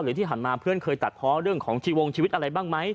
หรือที่ถัดมาเพื่อนเคยตัดเพราะเรื่องของชีวิตอะไรบ้างไหม